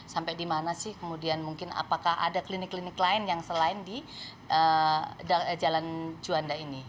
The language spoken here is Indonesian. sampai di mana sih kemudian mungkin apakah ada klinik klinik lain yang selain di jalan juanda ini